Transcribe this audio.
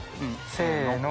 せの。